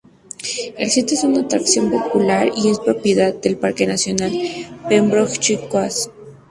El sitio es una atracción popular y es propiedad del Parque Nacional Pembrokeshire Coast.